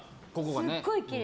すごいきれい。